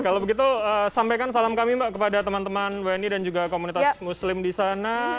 kalau begitu sampaikan salam kami mbak kepada teman teman wni dan juga komunitas muslim di sana